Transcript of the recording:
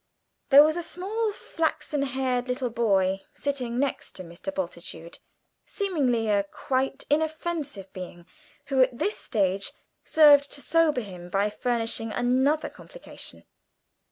There was a small flaxen haired little boy sitting next to Mr. Bultitude, seemingly a quite inoffensive being, who at this stage served to sober him by furnishing another complication.